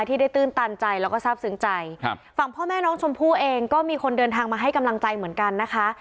ที่ได้ตื้นตันใจแล้วก็ทราบซึ้งใจครับฝั่งพ่อแม่น้องชมพู่เองก็มีคนเดินทางมาให้กำลังใจเหมือนกันนะคะ